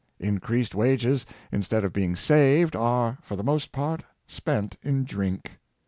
In creased wages, instead of being saved, are, for the most part, spent in drink.